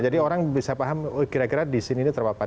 jadi orang bisa paham kira kira di sini ini terpapar